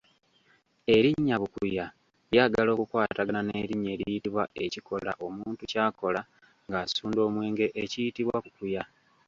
Erinnya Bukuya lyagala okukwatagana n’erinnya eriyitibwa ekikolwa omuntu ky’akola nga asunda omwenge ekiyitibwa Kukuya.